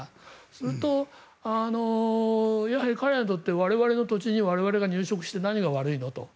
すると、やはり彼らにとって我々の土地に我々が入植して何が悪いの？と。